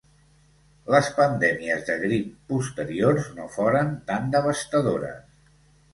Les pandèmies de grip posteriors no foren tan devastadores.